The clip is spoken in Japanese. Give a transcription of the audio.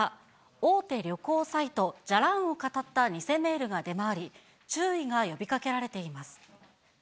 大手旅行サイト、じゃらんを語った偽メールが出回り、注意が呼びかけられています。